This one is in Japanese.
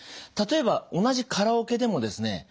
例えば同じカラオケでもですね